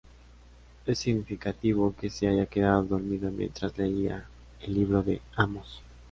Es significativo que se haya quedado dormida mientras leía el libro de Amós.